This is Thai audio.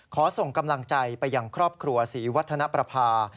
ขอส่งกำลังใจไปยังครอบครัวศรีวัฒนประภา